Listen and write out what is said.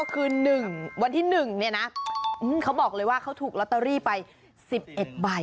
คราว๑บึงก็บอกเลยว่าเขาถูกลอตเตอรีไป๑๑ใบ